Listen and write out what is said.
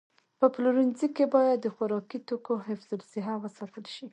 په پلورنځي کې باید د خوراکي توکو حفظ الصحه وساتل شي.